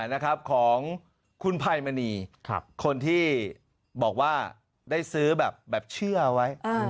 นะครับของคุณภัยมณีคนที่บอกว่าได้ซื้อแบบเชื่อไว้